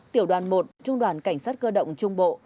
tiểu đoàn một trung đoàn cảnh sát cơ động trung bộ